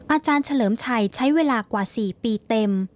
อาจารย์เฉลิมชัยใช้เวลากว่า๔ปีเต็ม